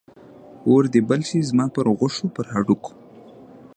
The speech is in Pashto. اور دې بل شي زما پر غوښو، پر هډوکو